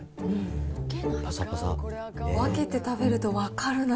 分けて食べると分かるなぁ。